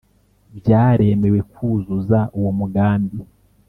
byaremewe kuzuza uwo mugambi,